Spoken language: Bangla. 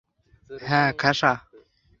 হ্যাঁ, খাসা।